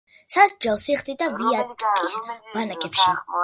სასჯელს იხდიდა ვიატკის ბანაკებში.